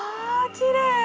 きれい！